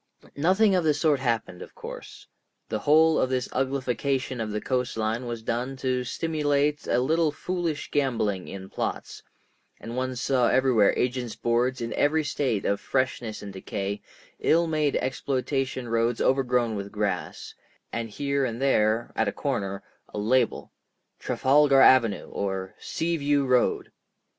Nothing of the sort happened, of course; the whole of this uglification of the coast line was done to stimulate a little foolish gambling in plots, and one saw everywhere agents' boards in every state of freshness and decay, ill made exploitation roads overgrown with grass, and here and there, at a corner, a label, "Trafalgar Avenue," or "Sea View Road."